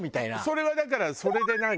それはだからそれで何？